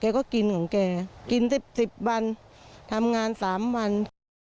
ก็กินของแกกิน๑๐วันทำงาน๓วัน